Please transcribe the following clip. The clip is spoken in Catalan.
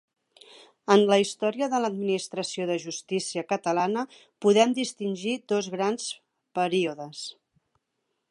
En la història de l'administració de justícia catalana podem distingir dos grans períodes.